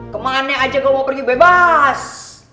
kemana aja kamu mau pergi bebas